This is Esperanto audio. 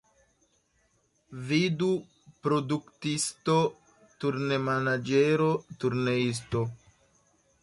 Vidu produktisto, turnemanaĝero, turneisto.